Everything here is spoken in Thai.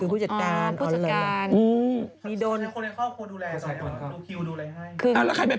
อ๋อก็คือ